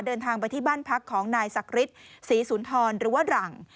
เดินทางไปที่บ้านพักของนายศักดิ์ฤทธิ์ศรีสุนทรหรือว่าหลัง